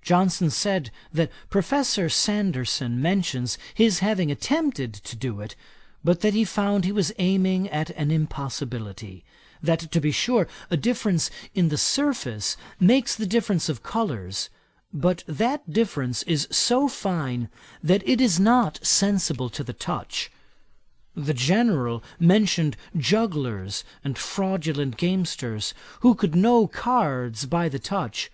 Johnson said, that Professor Sanderson mentions his having attempted to do it, but that he found he was aiming at an impossibility; that to be sure a difference in the surface makes the difference of colours; but that difference is so fine, that it is not sensible to the touch. The General mentioned jugglers and fraudulent gamesters, who could know cards by the touch.